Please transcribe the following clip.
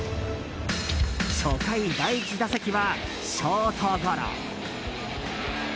初回、第１打席はショートゴロ。